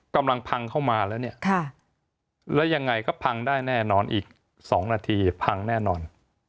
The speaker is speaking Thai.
กำลังพังเข้ามาแล้วเนี่ยแล้วยังไงก็พังได้แน่นอนอีก๒นาทีพังแน่นอน